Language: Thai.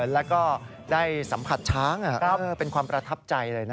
แล้วก็ได้สัมผัสช้างเป็นความประทับใจเลยนะ